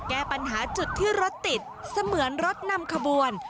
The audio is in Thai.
แก้ปัญหาจุดที่รถติดเสมือนรถนำขบวน